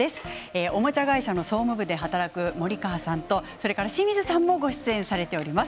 おもちゃ会社の総務部で働く森川さんとそれから清水さんもご出演されております。